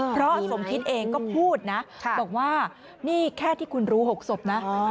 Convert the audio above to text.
เพราะสมคิดเองก็พูดนะบอกว่านี่แค่ที่คุณรู้๖ศพนะ